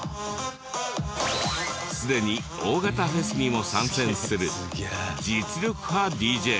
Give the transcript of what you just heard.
すでに大型フェスにも参戦する実力派ＤＪ。